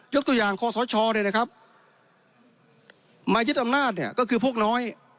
ตัวอย่างคอสชเลยนะครับมายึดอำนาจเนี่ยก็คือพวกน้อย